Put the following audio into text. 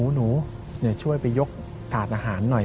หนูช่วยไปยกถาดอาหารหน่อย